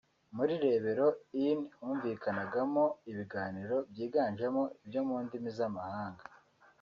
muri ‘Rebero Inn’ humvikanagamo ibiganiro byiganjemo ibyo mu ndimi z’amahanga